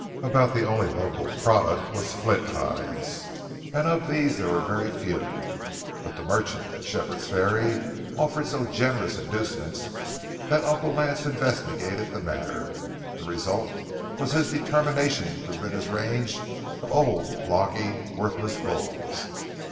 About the only local product was flint hides, and of these there were very few, but the merchant at Shepherd's Ferry offered so generous inducements that Uncle Lance investigated the matter; the result was his determination to rid his range of the old, logy, worthless bulls.